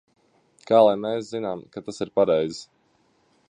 Kā lai mēs zinām, ka tas ir pareizi?